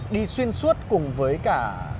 đi xuyên suốt cùng với cả